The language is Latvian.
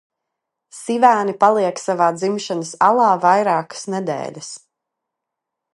Sivēni paliek savā dzimšanas alā vairākas nedēļas.